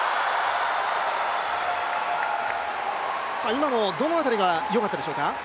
今のどの辺りがよかったでしょうか？